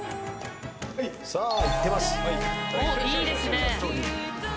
いいですね。